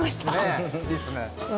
いいっすね。